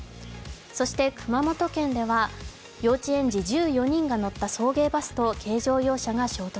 そして熊本県では、幼稚園児１４人が乗った送迎バスと軽乗用車が衝突。